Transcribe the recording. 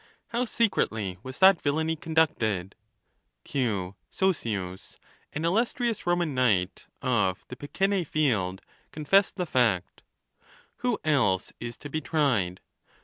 How secretly was that villany conducted ! Q. Sosius, an illustrious Roman knight, of the Picene field,' confessed the fact. Who else is to be tried